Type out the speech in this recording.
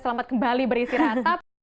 selamat kembali beristirahat